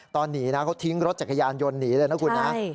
ตอนหนีน่ะเขาทิ้งรถจังกิยายนยนต์หนีเลยนะครับใช่